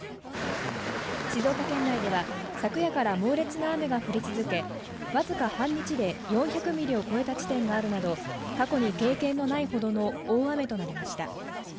静岡県内では昨夜から猛烈な雨が降り続けわずか半日で４００ミリを超えた地点があるなど過去に経験のないほどの大雨となりました。